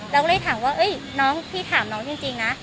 เราก็เลยถามว่าน้องพี่ถามน้องจริงนะ